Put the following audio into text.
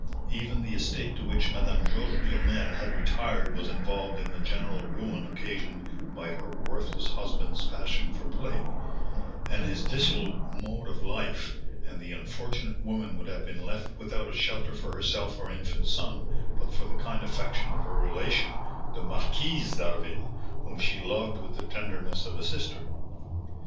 Even the estate to which Madame Georges Duresnel had retired was involved in the general ruin occasioned by her worthless husband's passion for play, and his dissolute mode of life; and the unfortunate woman would have been left without a shelter for herself or infant son but for the kind affection of her relation, the Marquise d'Harville, whom she loved with the tenderness of a sister.